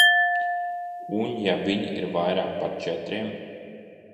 Un ja viņi ir vairāk par četriem?